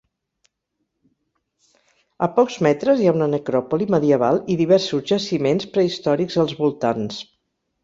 A pocs metres hi ha una necròpoli medieval i diversos jaciments prehistòrics als voltants.